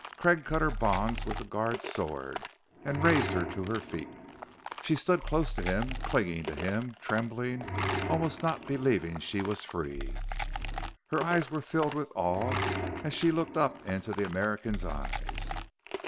Craig cut her bonds with the guard's sword and raised her to her feet. She stood close to him, clinging to him, trembling, almost not believing she was free. Her eyes were filled with awe as she looked up into the American's eyes.